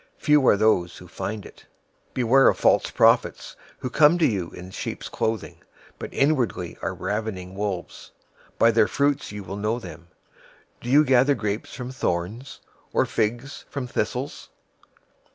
Few are those who find it. 007:015 "Beware of false prophets, who come to you in sheep's clothing, but inwardly are ravening wolves. 007:016 By their fruits you will know them. Do you gather grapes from thorns, or figs from thistles?